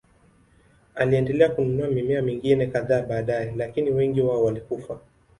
Aliendelea kununua mimea mingine kadhaa baadaye, lakini wengi wao walikufa.